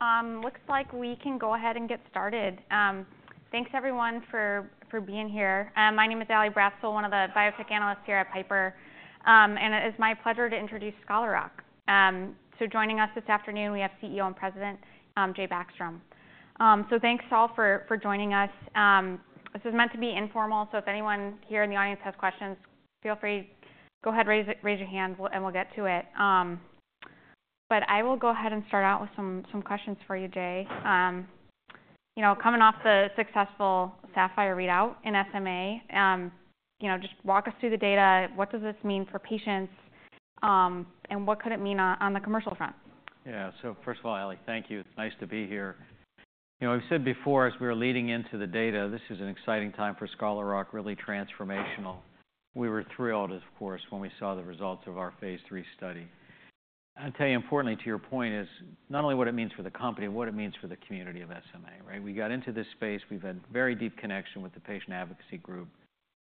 Great. Looks like we can go ahead and get started. Thanks everyone for being here. My name is Ally Bratzel, one of the biotech analysts here at Piper. And it is my pleasure to introduce Scholar Rock. So joining us this afternoon, we have CEO and President, Jay Backstrom. So thanks all for joining us. This is meant to be informal, so if anyone here in the audience has questions, feel free, go ahead, raise your hand, and we'll get to it. But I will go ahead and start out with some questions for you, Jay. You know, coming off the successful Sapphire readout in SMA, you know, just walk us through the data. What does this mean for patients, and what could it mean on the commercial front? Yeah. So first of all, Ally, thank you. It's nice to be here. You know, I've said before, as we were leading into the data, this is an exciting time for Scholar Rock, really transformational. We were thrilled, of course, when we saw the results of our phase III study. I'll tell you, importantly, to your point, is not only what it means for the company, what it means for the community of SMA, right? We got into this space, we've had very deep connection with the patient advocacy group.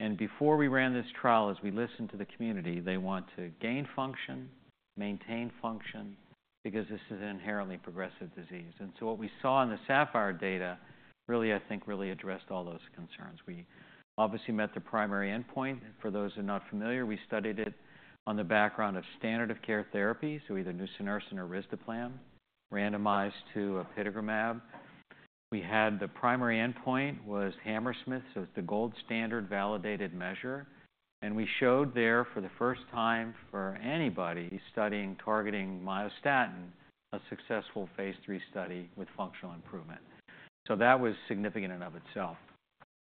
And before we ran this trial, as we listened to the community, they want to gain function, maintain function, because this is an inherently progressive disease. And so what we saw in the Sapphire data really, I think, really addressed all those concerns. We obviously met the primary endpoint. For those who are not familiar, we studied it on the background of standard of care therapies, so either nusinersen or risdiplam, randomized to apitegromab. We had the primary endpoint was Hammersmith, so it's the gold standard validated measure. We showed there for the first time for anybody studying targeting myostatin, a successful phase III study with functional improvement. That was significant in and of itself.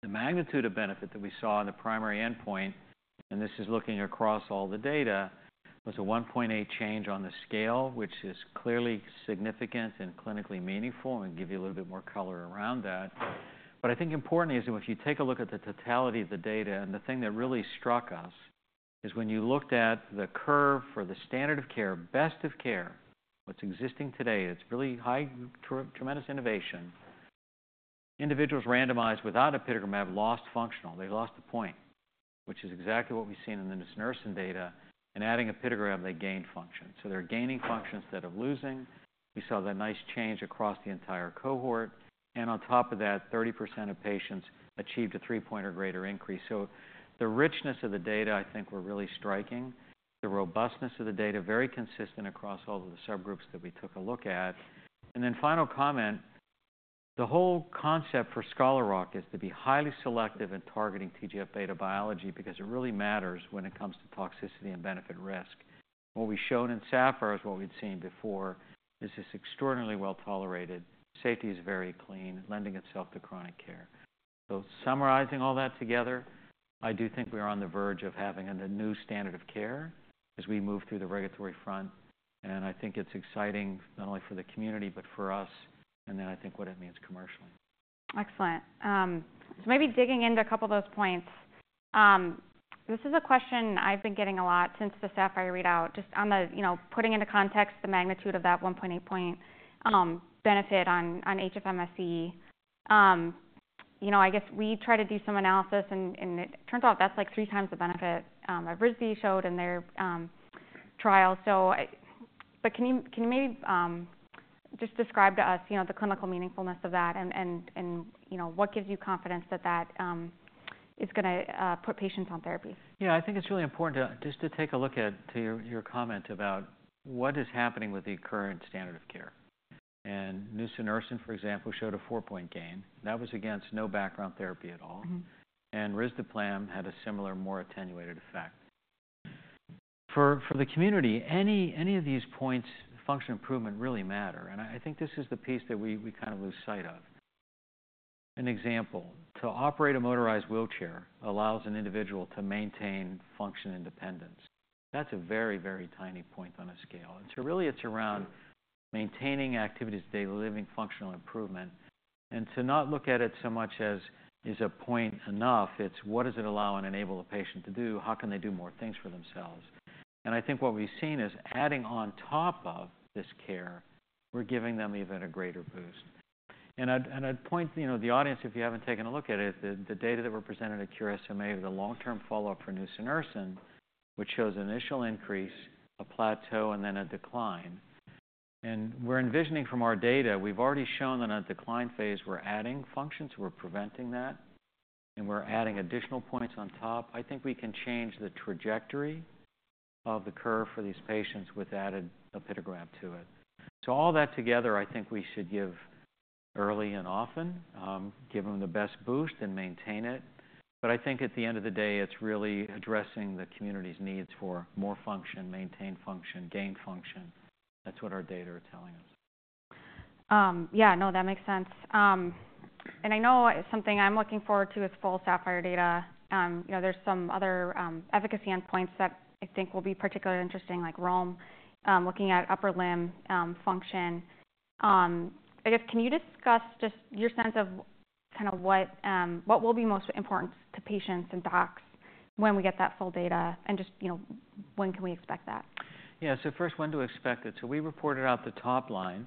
The magnitude of benefit that we saw in the primary endpoint, and this is looking across all the data, was a 1.8 change on the scale, which is clearly significant and clinically meaningful. I'm gonna give you a little bit more color around that. But I think important is that if you take a look at the totality of the data, and the thing that really struck us is when you looked at the curve for the standard of care, best of care, what's existing today. It's really high, tremendous innovation. Individuals randomized without apitegromab lost function. They lost the point, which is exactly what we've seen in the nusinersen data. And adding apitegromab, they gained function. So they're gaining functions instead of losing. We saw that nice change across the entire cohort. And on top of that, 30% of patients achieved a three-point or greater increase. So the richness of the data, I think, were really striking. The robustness of the data, very consistent across all of the subgroups that we took a look at. And then, final comment, the whole concept for Scholar Rock is to be highly selective in targeting TGF-β biology because it really matters when it comes to toxicity and benefit risk. What we showed in Sapphire is what we'd seen before, is this extraordinarily well tolerated, safety is very clean, lending itself to chronic care. So summarizing all that together, I do think we are on the verge of having a new standard of care as we move through the regulatory front. And I think it's exciting, not only for the community, but for us, and then I think what it means commercially. Excellent, so maybe digging into a couple of those points. This is a question I've been getting a lot since the Sapphire readout, just on the, you know, putting into context the magnitude of that 1.8 point benefit on HFMSE. You know, I guess we try to do some analysis, and it turns out that's like 3x the benefit that risdiplam showed in their trial. But can you maybe just describe to us, you know, the clinical meaningfulness of that and what gives you confidence that that is gonna put patients on therapy? Yeah, I think it's really important to just take a look at your comment about what is happening with the current standard of care. Nusinersen, for example, showed a four-point gain. That was against no background therapy at all. Mm-hmm. And risdiplam had a similar, more attenuated effect. For the community, any of these points, functional improvement really matter. And I think this is the piece that we kind of lose sight of. An example, to operate a motorized wheelchair allows an individual to maintain functional independence. That's a very, very tiny point on a scale. And so really it's around maintaining activities of daily living, functional improvement, and to not look at it so much as is a point enough, it's what does it allow and enable a patient to do? How can they do more things for themselves? And I think what we've seen is adding on top of this care, we're giving them even a greater boost. And I'd point, you know, the audience, if you haven't taken a look at it, the data that were presented at Cure SMA of the long-term follow-up for nusinersen, which shows initial increase, a plateau, and then a decline. And we're envisioning from our data, we've already shown that in a decline phase, we're adding function, so we're preventing that, and we're adding additional points on top. I think we can change the trajectory of the curve for these patients with added apitegromab to it. So all that together, I think we should give early and often, give them the best boost and maintain it. But I think at the end of the day, it's really addressing the community's needs for more function, maintain function, gain function. That's what our data are telling us. Yeah, no, that makes sense, and I know something I'm looking forward to is full Sapphire data. You know, there's some other efficacy endpoints that I think will be particularly interesting, like RULM, looking at upper limb function. I guess, can you discuss just your sense of kind of what will be most important to patients and docs when we get that full data, and just, you know, when can we expect that? Yeah. So first, when do we expect it? So we reported out the top line.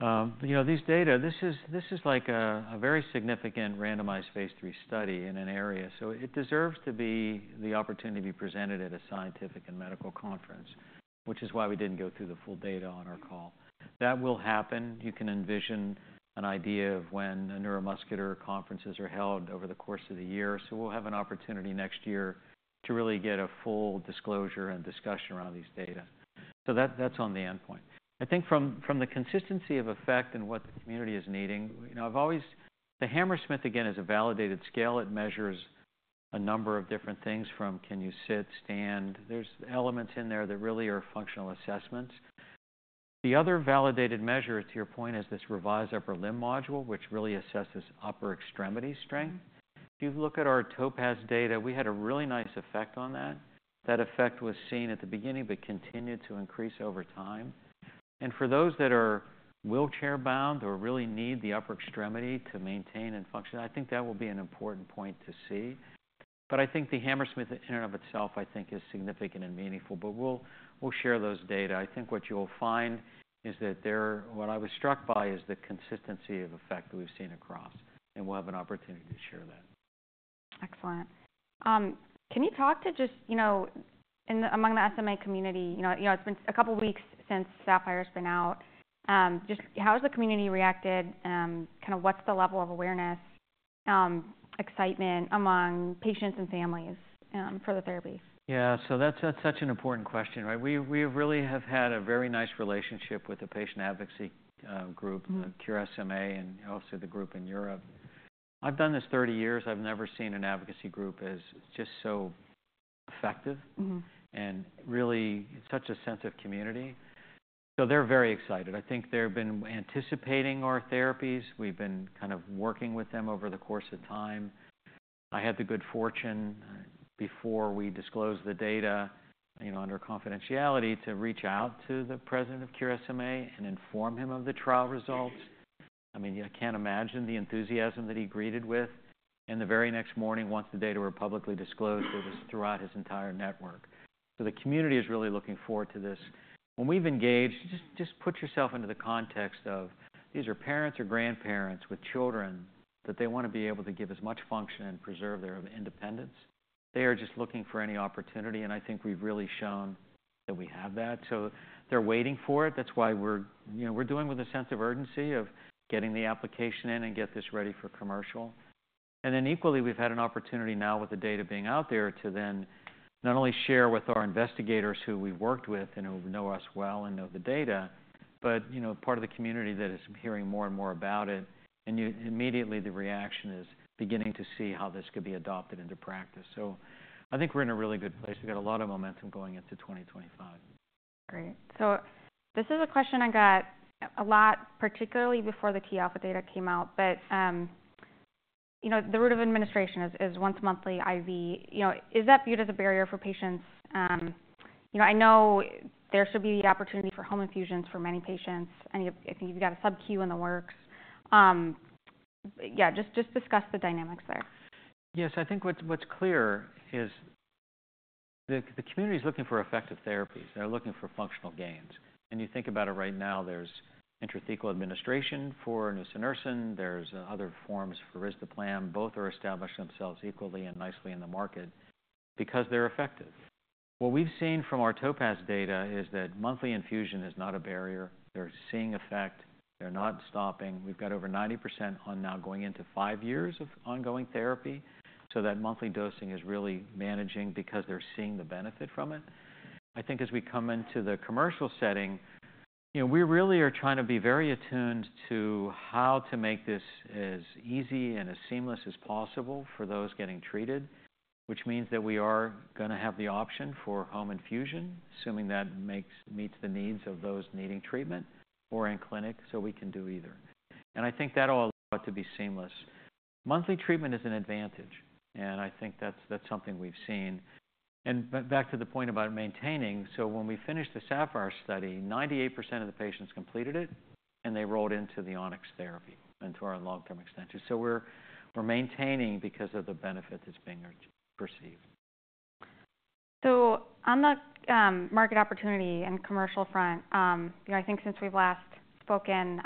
You know, these data, this is like a very significant randomized phase III study in an area. So it deserves to be the opportunity to be presented at a scientific and medical conference, which is why we didn't go through the full data on our call. That will happen. You can envision an idea of when neuromuscular conferences are held over the course of the year. So we'll have an opportunity next year to really get a full disclosure and discussion around these data. So that, that's on the endpoint. I think from the consistency of effect and what the community is needing, you know, I've always, the Hammersmith, again, is a validated scale. It measures a number of different things from can you sit, stand. There's elements in there that really are functional assessments. The other validated measure, to your point, is this Revised Upper Limb Module, which really assesses upper extremity strength. If you look at our Topaz data, we had a really nice effect on that. That effect was seen at the beginning, but continued to increase over time. And for those that are wheelchair-bound or really need the upper extremity to maintain and function, I think that will be an important point to see. But I think the Hammersmith in and of itself, I think, is significant and meaningful. But we'll, we'll share those data. I think what you'll find is that there, what I was struck by is the consistency of effect that we've seen across. And we'll have an opportunity to share that. Excellent. Can you talk to just, you know, among the SMA community, you know, it's been a couple of weeks since Sapphire has been out. Just how has the community reacted? Kind of, what's the level of awareness, excitement among patients and families, for the therapy? Yeah. So that's such an important question, right? We have really had a very nice relationship with the patient advocacy group, the Cure SMA, and also the group in Europe. I've done this 30 years. I've never seen an advocacy group as just so effective. Mm-hmm. Really such a sense of community. So they're very excited. I think they've been anticipating our therapies. We've been kind of working with them over the course of time. I had the good fortune, before we disclosed the data, you know, under confidentiality, to reach out to the president of Cure SMA and inform him of the trial results. I mean, I can't imagine the enthusiasm that he greeted with. And the very next morning, once the data were publicly disclosed, it was throughout his entire network. So the community is really looking forward to this. When we've engaged, just put yourself into the context of these are parents or grandparents with children that they wanna be able to give as much function and preserve their independence. They are just looking for any opportunity. And I think we've really shown that we have that. So they're waiting for it. That's why we're, you know, doing with a sense of urgency getting the application in and get this ready for commercial. And then equally, we've had an opportunity now with the data being out there to then not only share with our investigators who we've worked with and who know us well and know the data, but, you know, part of the community that is hearing more and more about it. And you immediately the reaction is beginning to see how this could be adopted into practice. So I think we're in a really good place. We've got a lot of momentum going into 2025. Great. So this is a question I got a lot, particularly before the T-alfa data came out. But, you know, the route of administration is once monthly IV. You know, is that viewed as a barrier for patients? You know, I know there should be the opportunity for home infusions for many patients. And you, I think you've got a sub-Q in the works. Yeah, just, just discuss the dynamics there. Yeah. So I think what's clear is the community's looking for effective therapies. They're looking for functional gains. And you think about it right now, there's intrathecal administration for nusinersen. There's other forms for risdiplam. Both are establishing themselves equally and nicely in the market because they're effective. What we've seen from our Topaz data is that monthly infusion is not a barrier. They're seeing effect. They're not stopping. We've got over 90% on now going into five years of ongoing therapy. So that monthly dosing is really managing because they're seeing the benefit from it. I think as we come into the commercial setting, you know, we really are trying to be very attuned to how to make this as easy and as seamless as possible for those getting treated, which means that we are gonna have the option for home infusion, assuming that meets the needs of those needing treatment or in clinic, so we can do either, and I think that'll allow it to be seamless. Monthly treatment is an advantage, and I think that's something we've seen and back to the point about maintaining, so when we finished the Sapphire study, 98% of the patients completed it, and they rolled into the Onyx therapy and to our long-term extension, so we're maintaining because of the benefit that's being perceived. So on the market opportunity and commercial front, you know, I think since we've last spoken,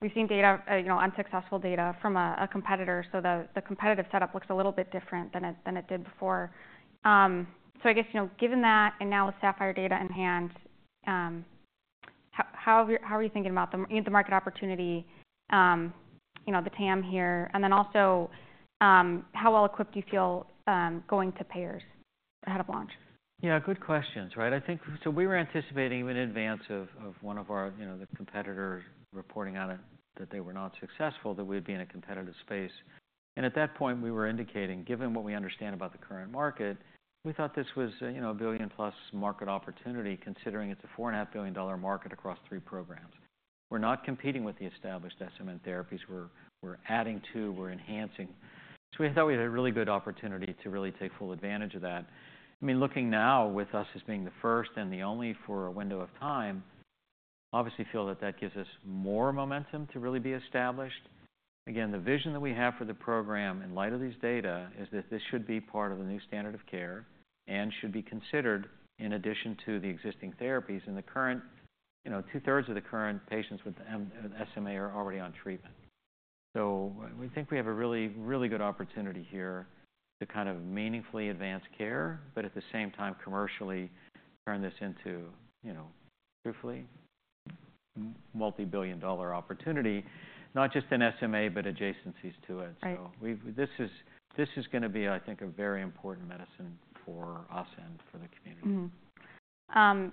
we've seen data, you know, unsuccessful data from a competitor. So the competitive setup looks a little bit different than it did before. So I guess, you know, given that and now with Sapphire data in hand, how are you thinking about the market opportunity, you know, the TAM here? And then also, how well equipped do you feel going to payers ahead of launch? Yeah, good questions, right? I think so we were anticipating even in advance of, of one of our, you know, the competitors reporting on it that they were not successful, that we'd be in a competitive space. And at that point, we were indicating, given what we understand about the current market, we thought this was, you know, a billion-plus market opportunity, considering it's a $4.5 billion market across three programs. We're not competing with the established SMN therapies. We're, we're adding to, we're enhancing. So we thought we had a really good opportunity to really take full advantage of that. I mean, looking now with us as being the first and the only for a window of time, obviously feel that that gives us more momentum to really be established. Again, the vision that we have for the program in light of these data is that this should be part of the new standard of care and should be considered in addition to the existing therapies. And the current, you know, two-thirds of the current patients with SMA are already on treatment. So we think we have a really, really good opportunity here to kind of meaningfully advance care, but at the same time, commercially turn this into, you know, truthfully, multi-billion-dollar opportunity, not just in SMA, but adjacencies to it. Right. This is gonna be, I think, a very important medicine for us and for the community. Mm-hmm.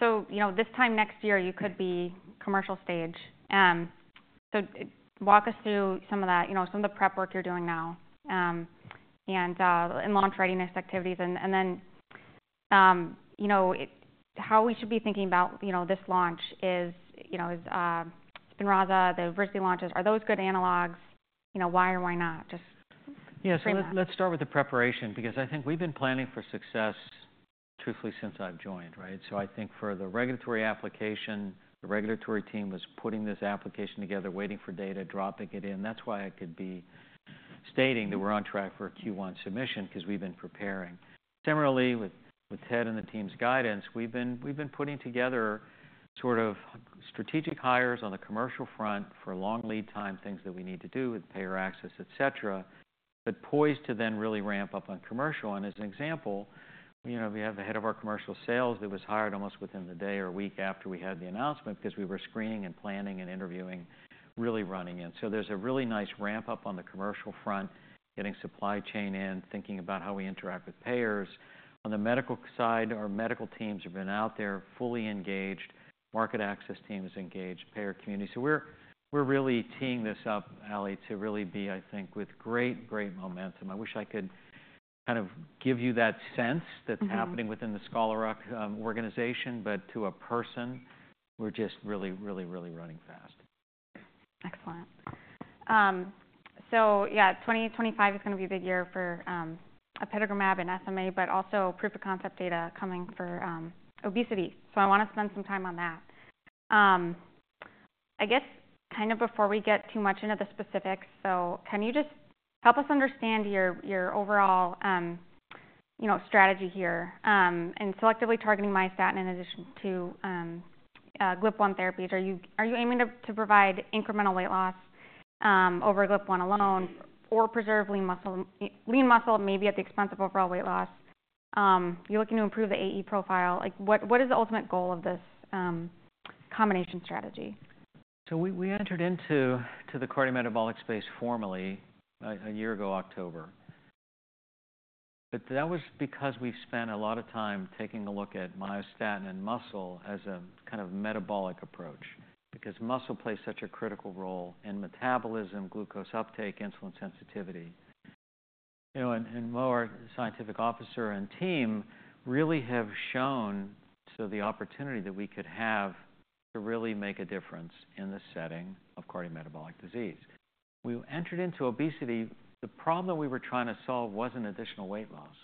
So, you know, this time next year, you could be commercial stage. So walk us through some of that, you know, some of the prep work you're doing now, and launch readiness activities. And then, you know, how we should be thinking about this launch. Is Spinraza, the risdiplam launches, those good analogs? You know, why or why not? Just. Yeah. So let's start with the preparation because I think we've been planning for success truthfully since I've joined, right? So I think for the regulatory application, the regulatory team was putting this application together, waiting for data, dropping it in. That's why I could be stating that we're on track for a Q1 submission 'cause we've been preparing. Similarly, with Ted and the team's guidance, we've been putting together sort of strategic hires on the commercial front for long lead time, things that we need to do with payer access, et cetera, but poised to then really ramp up on commercial. And as an example, you know, we have the head of our commercial sales that was hired almost within the day or a week after we had the announcement because we were screening and planning and interviewing, really running in. So there's a really nice ramp up on the commercial front, getting supply chain in, thinking about how we interact with payers. On the medical side, our medical teams have been out there, fully engaged. Market access team is engaged, payer community. So we're, we're really teeing this up, Ali, to really be, I think, with great, great momentum. I wish I could kind of give you that sense that's happening within the Scholar Rock organization, but to a person, we're just really, really, really running fast. Excellent. So yeah, 2025 is gonna be a big year for apitegromab and SMA, but also proof of concept data coming for obesity. So I wanna spend some time on that. I guess kind of before we get too much into the specifics, so can you just help us understand your overall, you know, strategy here, and selectively targeting myostatin in addition to GLP-1 therapies? Are you aiming to provide incremental weight loss over GLP-1 alone or preserve lean muscle, maybe at the expense of overall weight loss? You're looking to improve the AE profile. Like what is the ultimate goal of this combination strategy? So we entered into the cardiometabolic space formally a year ago, October. But that was because we've spent a lot of time taking a look at myostatin and muscle as a kind of metabolic approach because muscle plays such a critical role in metabolism, glucose uptake, insulin sensitivity. You know, and Mo, Scientific Officer and team really have shown to the opportunity that we could have to really make a difference in the setting of cardiometabolic disease. We entered into obesity. The problem that we were trying to solve wasn't additional weight loss.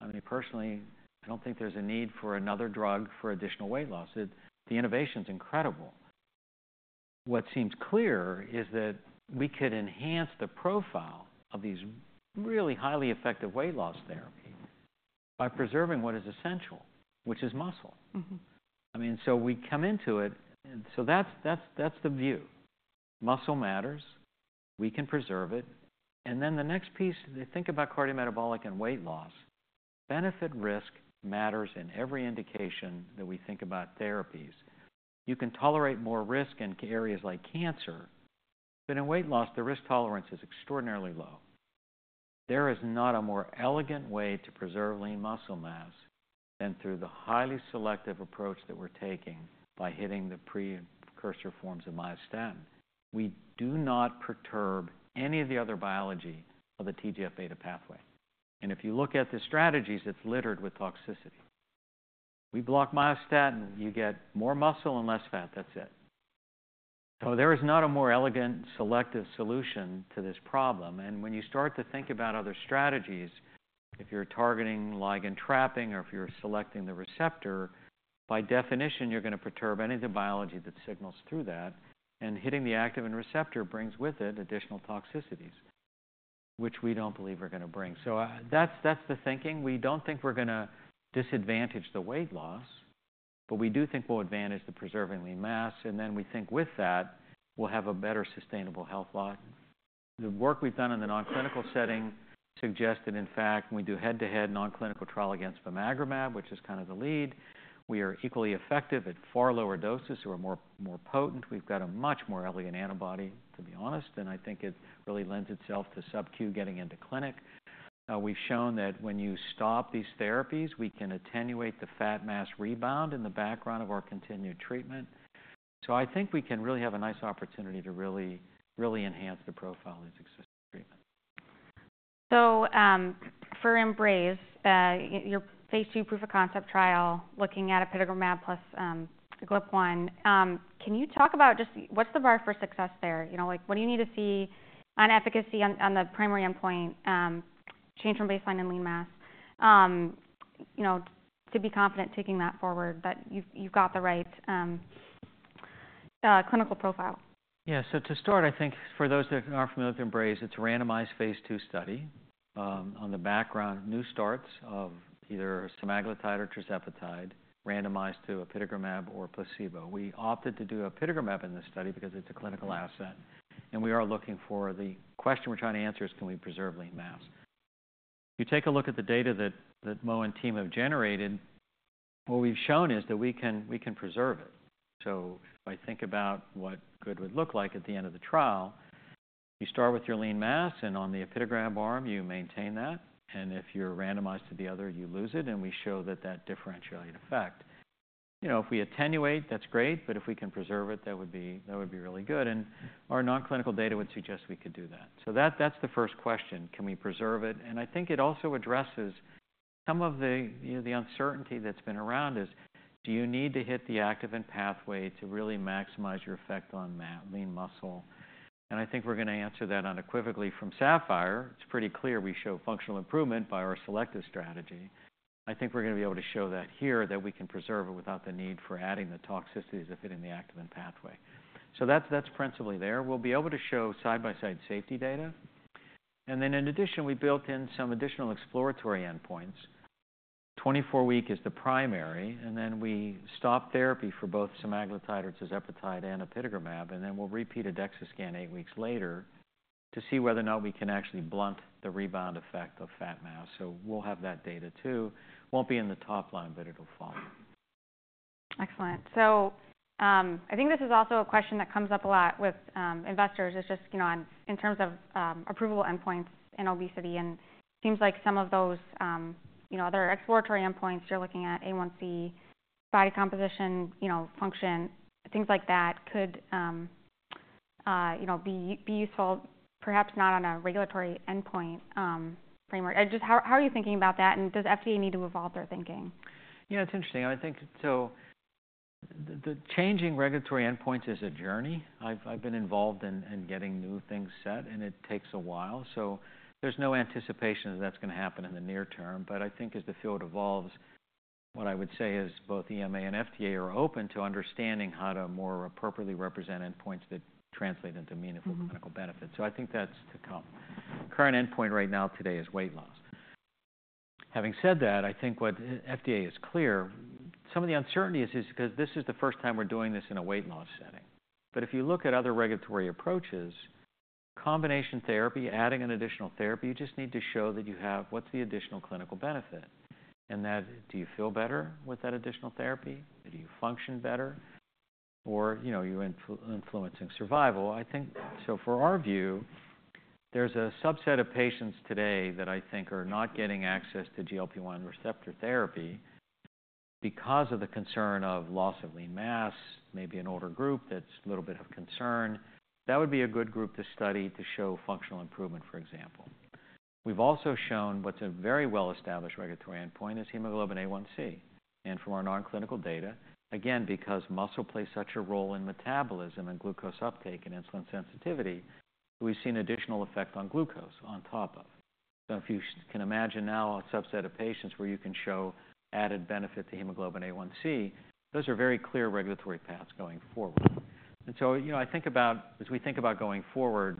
I mean, personally, I don't think there's a need for another drug for additional weight loss. The innovation's incredible. What seems clear is that we could enhance the profile of these really highly effective weight loss therapies by preserving what is essential, which is muscle. Mm-hmm. I mean, so we come into it. So that's the view. Muscle matters. We can preserve it. And then the next piece, think about cardiometabolic and weight loss. Benefit risk matters in every indication that we think about therapies. You can tolerate more risk in areas like cancer, but in weight loss, the risk tolerance is extraordinarily low. There is not a more elegant way to preserve lean muscle mass than through the highly selective approach that we're taking by hitting the precursor forms of myostatin. We do not perturb any of the other biology of the TGF-β pathway. And if you look at the strategies, it's littered with toxicity. We block myostatin. You get more muscle and less fat. That's it. So there is not a more elegant, selective solution to this problem. And when you start to think about other strategies, if you're targeting ligand trapping or if you're selecting the receptor, by definition, you're gonna perturb any of the biology that signals through that. And hitting the activin receptor brings with it additional toxicities, which we don't believe are gonna bring. So that's the thinking. We don't think we're gonna disadvantage the weight loss, but we do think we'll advantage the preserving lean mass. And then we think with that, we'll have a better sustainable health outcome. The work we've done in the nonclinical setting suggests that in fact, when we do head-to-head nonclinical trial against bimagrumab, which is kind of the lead, we are equally effective at far lower doses. We are more potent. We've got a much more elegant antibody, to be honest. And I think it really lends itself to sub-Q getting into clinic. We've shown that when you stop these therapies, we can attenuate the fat mass rebound in the background of our continued treatment. So I think we can really have a nice opportunity to really, really enhance the profile of these existing treatments. For EMBRAZE, your phase II proof of concept trial looking at apitegromab plus GLP-1, can you talk about just what's the bar for success there? You know, like what do you need to see on efficacy on the primary endpoint, change from baseline and lean mass, you know, to be confident taking that forward that you've got the right clinical profile? Yeah. So to start, I think for those that aren't familiar with EMBRAZE, it's a randomized phase II study, on the background, new starts of either semaglutide or tirzepatide, randomized to apitegromab or placebo. We opted to do apitegromab in this study because it's a clinical asset. And we are looking for the question we're trying to answer is, can we preserve lean mass? You take a look at the data that Mo and team have generated. What we've shown is that we can, we can preserve it. So if I think about what good would look like at the end of the trial, you start with your lean mass, and on the apitegromab arm, you maintain that. And if you're randomized to the other, you lose it. And we show that differentiated effect, you know, if we attenuate, that's great. But if we can preserve it, that would be, that would be really good. And our nonclinical data would suggest we could do that. So that, that's the first question. Can we preserve it? And I think it also addresses some of the, you know, the uncertainty that's been around is, do you need to hit the activin pathway to really maximize your effect on lean muscle? And I think we're gonna answer that unequivocally from Sapphire. It's pretty clear we show functional improvement by our selective strategy. I think we're gonna be able to show that here, that we can preserve it without the need for adding the toxicities of hitting the activin pathway. So that's, that's principally there. We'll be able to show side-by-side safety data. And then in addition, we built in some additional exploratory endpoints. 24-week is the primary. And then we stop therapy for both semaglutide, or tirzepatide, and apitegromab. And then we'll repeat a DEXA scan eight weeks later to see whether or not we can actually blunt the rebound effect of fat mass. So we'll have that data too. Won't be in the top line, but it'll follow. Excellent. So, I think this is also a question that comes up a lot with investors. It's just, you know, in terms of approval endpoints in obesity. And it seems like some of those, you know, other exploratory endpoints you're looking at, A1C, body composition, you know, function, things like that could, you know, be useful, perhaps not on a regulatory endpoint framework. Just how are you thinking about that? And does FDA need to evolve their thinking? Yeah, it's interesting. I think so the changing regulatory endpoints is a journey. I've been involved in getting new things set, and it takes a while. So there's no anticipation that that's gonna happen in the near term. But I think as the field evolves, what I would say is both EMA and FDA are open to understanding how to more appropriately represent endpoints that translate into meaningful clinical benefits. So I think that's to come. Current endpoint right now today is weight loss. Having said that, I think what FDA is clear, some of the uncertainty is 'cause this is the first time we're doing this in a weight loss setting. But if you look at other regulatory approaches, combination therapy, adding an additional therapy, you just need to show that you have what's the additional clinical benefit? And that, do you feel better with that additional therapy? Do you function better? Or, you know, you're influencing survival. I think so. For our view, there's a subset of patients today that I think are not getting access to GLP-1 receptor therapy because of the concern of loss of lean mass, maybe an older group that's a little bit of concern. That would be a good group to study to show functional improvement, for example. We've also shown what's a very well-established regulatory endpoint is Hemoglobin A1C. And from our nonclinical data, again, because muscle plays such a role in metabolism and glucose uptake and insulin sensitivity, we've seen additional effect on glucose on top of. So if you can imagine now a subset of patients where you can show added benefit to Hemoglobin A1C, those are very clear regulatory paths going forward. And so, you know, I think about, as we think about going forward,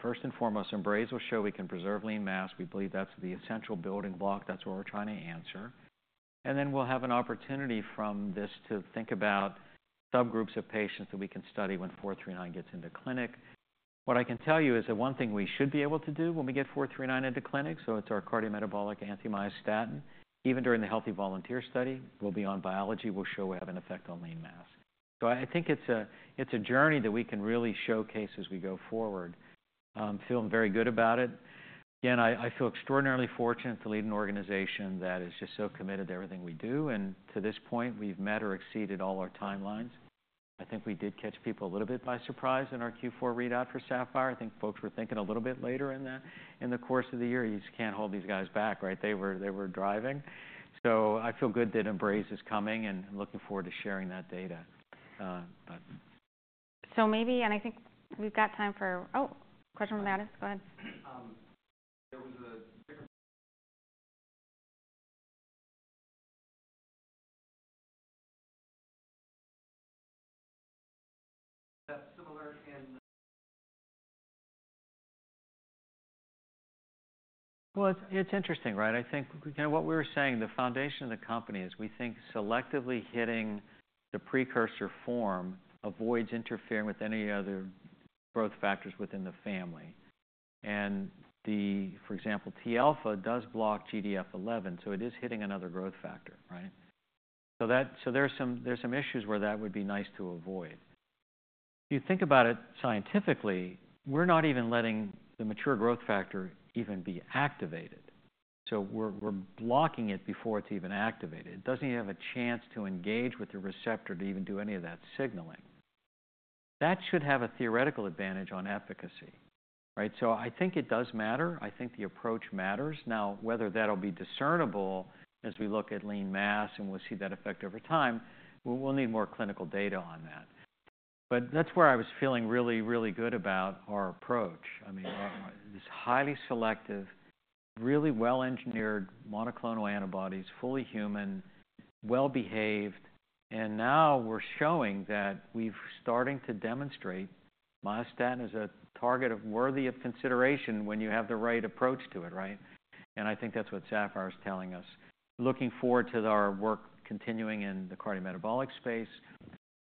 first and foremost, EMBRAZE will show we can preserve lean mass. We believe that's the essential building block. That's what we're trying to answer. And then we'll have an opportunity from this to think about subgroups of patients that we can study when 439 gets into clinic. What I can tell you is that one thing we should be able to do when we get 439 into clinic, so it's our cardiometabolic anti-myostatin, even during the healthy volunteer study, we'll be on biology. We'll show we have an effect on lean mass. So I think it's a, it's a journey that we can really showcase as we go forward, feeling very good about it. Again, I feel extraordinarily fortunate to lead an organization that is just so committed to everything we do. To this point, we've met or exceeded all our timelines. I think we did catch people a little bit by surprise in our Q4 readout for Sapphire. I think folks were thinking a little bit later in the course of the year. You just can't hold these guys back, right? They were driving. I feel good that EMBRAZE is coming and looking forward to sharing that data. So maybe, and I think we've got time for, oh, question from the audience. Go ahead. There was a difference. That's similar in. Well, it's interesting, right? I think kinda what we were saying, the foundation of the company is we think selectively hitting the precursor form avoids interfering with any other growth factors within the family. And, for example, T-alfa does block GDF-11, so it is hitting another growth factor, right? So there's some issues where that would be nice to avoid. If you think about it scientifically, we're not even letting the mature growth factor even be activated. So we're blocking it before it's even activated. It doesn't even have a chance to engage with the receptor to even do any of that signaling. That should have a theoretical advantage on efficacy, right? So I think it does matter. I think the approach matters. Now, whether that'll be discernible as we look at lean mass and we'll see that effect over time, we'll need more clinical data on that. But that's where I was feeling really, really good about our approach. I mean, this highly selective, really well-engineered monoclonal antibodies, fully human, well-behaved. And now we're showing that we've starting to demonstrate myostatin is a target worthy of consideration when you have the right approach to it, right? And I think that's what Sapphire's telling us. Looking forward to our work continuing in the cardiometabolic space.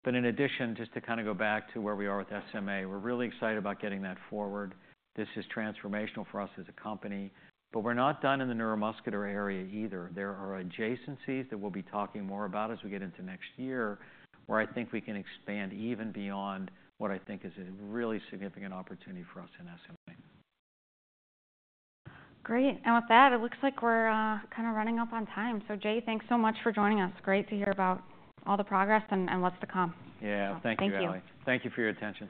But in addition, just to kinda go back to where we are with SMA, we're really excited about getting that forward. This is transformational for us as a company. But we're not done in the neuromuscular area either. There are adjacencies that we'll be talking more about as we get into next year where I think we can expand even beyond what I think is a really significant opportunity for us in SMA. Great. And with that, it looks like we're kinda running up on time. So Jay, thanks so much for joining us. Great to hear about all the progress and what's to come. Yeah. Thank you, Ally. Thank you. Thank you for your attention.